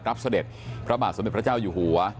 เสด็จพระบาทสมเด็จพระเจ้าอยู่หัว